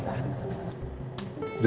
nih nanti aku mau minum